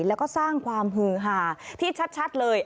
แล้วก็สร้างความหือหาที่ชัดเลย